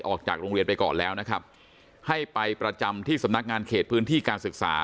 ออกจากโรงเรียนไปก่อนแล้วนะครับให้ไปประจำที่สำนักงานเขตพื้นที่การศึกษา